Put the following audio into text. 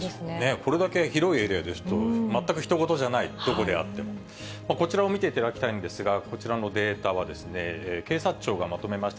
これだけ広いエリアですと、全くひと事じゃない、どこであっても、こちらを見ていただきたいんですが、こちらのデータは、警察庁がまとめました